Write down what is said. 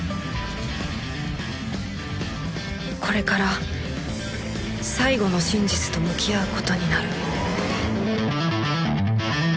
これから最後の真実と向き合う事になる